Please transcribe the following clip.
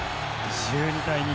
１２対２。